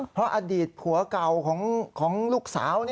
เพราะอดีตผัวเก่าของลูกสาว